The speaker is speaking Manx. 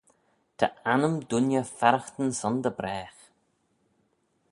Ta annym dooinney farraghtyn son dy bragh.